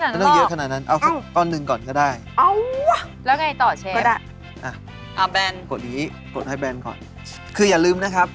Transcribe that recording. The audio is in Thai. ถ้าหามีดมาเราก็ตัดได้ครับ